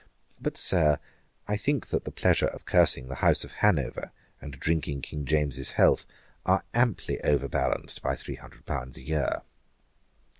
But, Sir, I think that the pleasure of cursing the House of Hanover, and drinking King James's health, are amply overbalanced by three hundred pounds a year.'